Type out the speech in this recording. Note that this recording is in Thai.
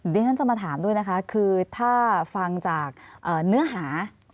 เดี๋ยวฉันจะมาถามด้วยนะคะคือถ้าฟังจากเนื้อหา